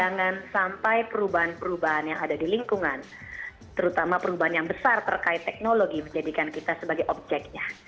jangan sampai perubahan perubahan yang ada di lingkungan terutama perubahan yang besar terkait teknologi menjadikan kita sebagai objeknya